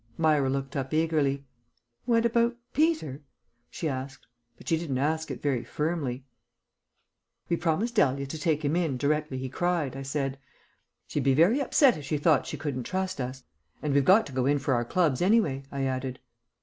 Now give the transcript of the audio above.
Myra looked up eagerly. "What about Peter?" she asked; but she didn't ask it very firmly. "We promised Dahlia to take him in directly he cried," I said. "She'd be very upset if she thought she couldn't trust us. And we've got to go in for our clubs, anyway," I added.